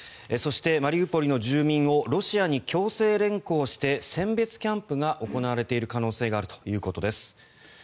そしてマリウポリの住民をロシアに強制連行して選別キャンプが行われている可能性があるということです。